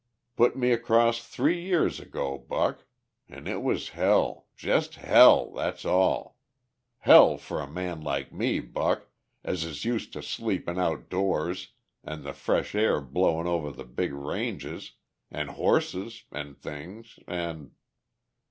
Put me across three years ago, Buck! An' it was hell, jes' hell, that's all. Hell for a man like me, Buck, as is used to sleepin outdoors an' the fresh air blowin' over the big ranges, an' horses an' things. An' ...